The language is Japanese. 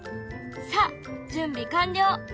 さあ準備完了！